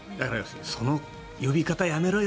その呼び方やめろよ